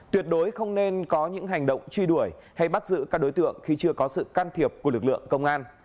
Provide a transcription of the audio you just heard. tuyệt đối không nên có những hành động truy đuổi hay bắt giữ các đối tượng khi chưa có sự can thiệp của lực lượng công an